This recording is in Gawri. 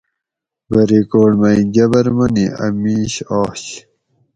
بریکوٹ مئ گبر منی اۤ میش آش